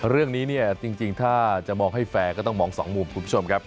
เรื่องนี้เนี่ยจริงถ้าจะมองให้แฟร์ก็ต้องมองสองมุมคุณผู้ชมครับ